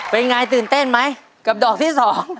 เป็นไงตื่นเต้นไหมกับดอกที่๒